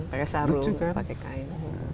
pakai sarung pakai kain